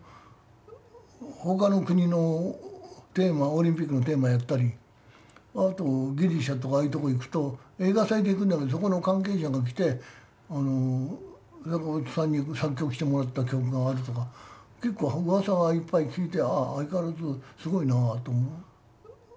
他の国のテーマオリンピックのテーマやったりあとギリシャとかああいうところ行くと映画祭で行くんだけどそこの関係者が来て坂本さんに作曲してもらった曲があるとか結構うわさはいっぱい聞いてああ、相変わらずすごいなと思う。